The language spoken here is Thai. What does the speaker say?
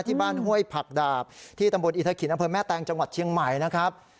ที่บ้านห้วยผักดาบที่ตำบลอิทธินพลแม่แตงจังหวัดเชียงใหม่นะครับ